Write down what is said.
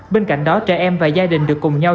bên cạnh đó trẻ em và gia đình được cùng nhau